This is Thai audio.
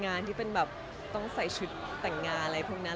งานที่เป็นแบบต้องใส่ชุดแต่งงานอะไรพวกนั้น